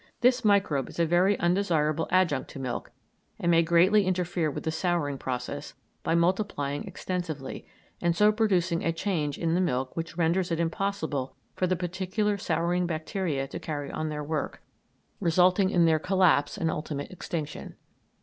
This microbe is a very undesirable adjunct to milk, and may greatly interfere with the souring process, by multiplying extensively, and so producing a change in the milk which renders it impossible for the particular souring bacteria to carry on their work, resulting in their collapse and ultimate extinction.